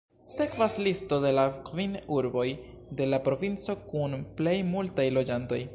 Sekvas listo de la kvin urboj de la provinco kun plej multaj loĝantoj.